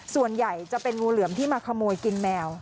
ส่วนใหญ่จะเป็นงูเหลือมที่มาขโมยกินแมว